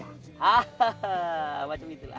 hah hah hah macam itulah